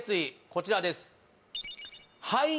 こちらですはい！